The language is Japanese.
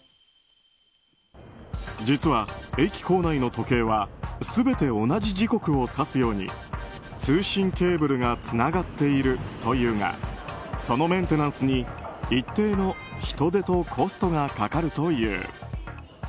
実は、駅構内の時計は全て同じ時刻を指すように通信ケーブルがつながっているというがそのメンテナンスに一定の人手とコストがかかるという。